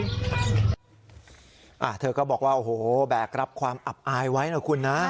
มากไปเลยอ่าเธอก็บอกว่าโอ้โหแบกรับความอับอายไว้นะคุณนะ